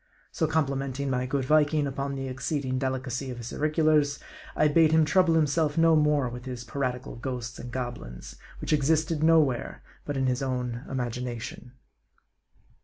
So com plimenting my good Viking upon the exceeding delicacy of his auriculars, I bade him trouble himself no more with his piratical ghosts and goblins, which existed nowhere but in his own imagination.